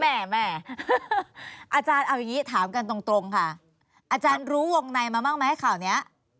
แม่แม่อาจารย์เอาอย่างนี้ถามกันตรงค่ะอาจารย์รู้วงในมาบ้างไหมข่าวนี้